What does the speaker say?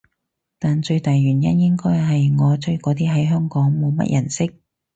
但最大原因應該係我追嗰啲喺香港冇乜人識